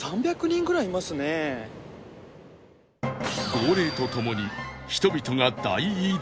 号令とともに人々が大移動